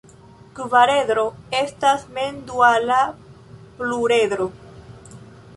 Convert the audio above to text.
Kvaredro estas mem-duala pluredro.